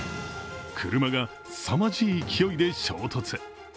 車がすさまじい勢いで衝突。